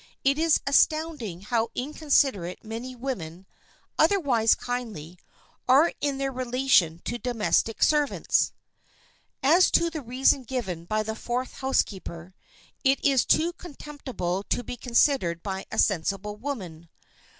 It is astonishing how inconsiderate many women, otherwise kindly, are in their relation to domestic servants. As to the reason given by the fourth housekeeper, it is too contemptible to be considered by a sensible woman.